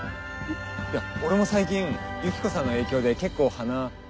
いや俺も最近ユキコさんの影響で結構花。